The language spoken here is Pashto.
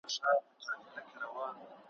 اشارو او استعارو څخه بې برخي کړو `